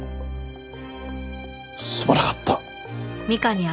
すまなかった。